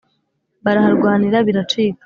baraharwanira biracika